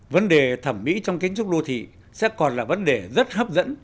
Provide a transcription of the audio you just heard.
vấn đề thẩm mỹ trong kiến trúc đô thị sẽ còn là vấn đề rất hấp dẫn